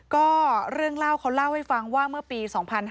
ก็เรื่องเล่าเขาเล่าให้ฟังว่าเมื่อปี๒๕๕๙